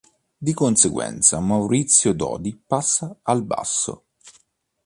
Di conseguenza Maurizio Dodi passa al basso.